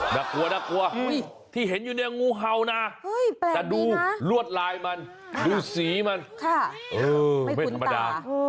น่ากลัวน่ากลัวที่เห็นอยู่เนี่ยงูเห่านะแต่ดูลวดลายมันดูสีมันไม่ธรรมดา